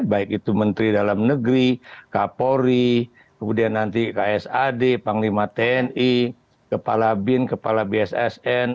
baik itu menteri dalam negeri kapolri kemudian nanti ksad panglima tni kepala bin kepala bssn